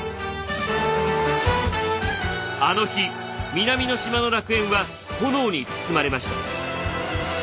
あの日南の島の楽園は炎に包まれました。